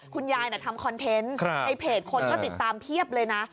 คุณยายทำคอนเทนต์ในเพจคนก็ติดตามเพียบเลยนะ